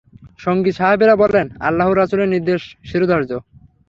সঙ্গী সাহাবীরা বললেন, আল্লাহর রাসূলের নির্দেশ শিরধার্য।